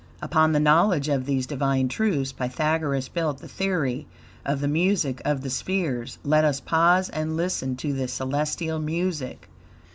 Upon the knowledge of these Divine truths Pythagoras built the theory of the "music of the spheres." Let us pause and listen to this celestial music.